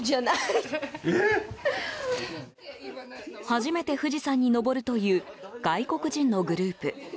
初めて富士山に登るという外国人のグループ。